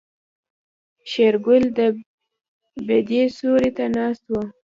شېرګل د بيدې سيوري ته ناست و.